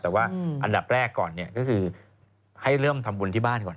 แต่ว่าอันดับแรกก่อนเนี่ยก็คือให้เริ่มทำบุญที่บ้านก่อน